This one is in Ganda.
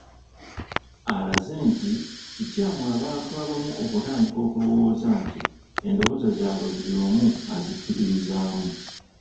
Alaze nti kikyamu abantu abamu okutandika okulowooza nti endowooza zaabwe buli omu azikkiririzaamu.